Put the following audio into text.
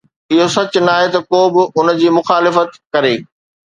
اهو سچ ناهي ته ڪو به ان جي مخالفت ڪري